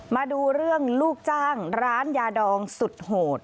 มาดูเรื่องลูกจ้างร้านยาดองสุดโหด